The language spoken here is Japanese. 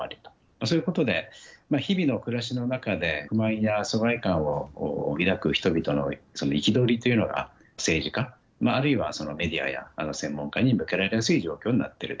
そういうことで日々の暮らしの中で不満や疎外感を抱く人々のその憤りというのが政治家あるいはそのメディアや専門家に向けられやすい状況になっていると。